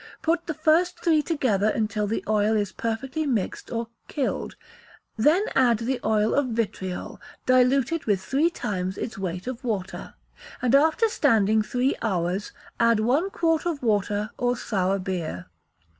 Put the first three together until the oil is perfectly mixed or "killed;" then add the oil of vitriol, diluted with three times its weight of water, and after standing three hours add one quart of water or sour beer.